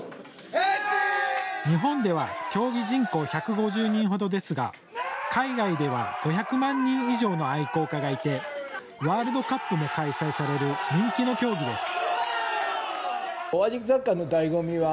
日本では競技人口１５０人程ですが海外では５００万人以上の愛好家がいてワールドカップも開催される人気の競技です。